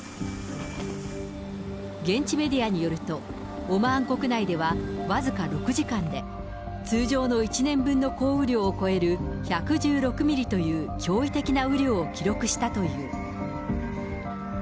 現地メディアによると、オマーン国内では僅か６時間で、通常の１年分の降雨量を超える１１６ミリという脅威的な雨量を記録したという。